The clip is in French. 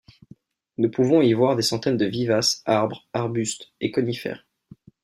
Nous pouvons y voir des centaines de vivaces, arbres, arbustes et conifères.